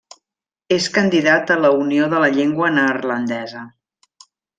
És candidat a la Unió de la Llengua Neerlandesa.